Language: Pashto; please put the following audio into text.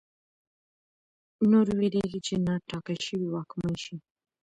نور وېرېږي چې نا ټاکل شوی واکمن شي.